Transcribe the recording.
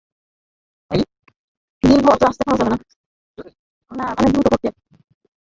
চৈতন্য, আধ্যাত্মিকতা প্রভৃতি সম্বন্ধে যতই বাগাড়ম্বর করুক না কেন, এখনও সে জড়ভাবাপন্ন।